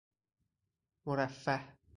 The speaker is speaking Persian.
مرفه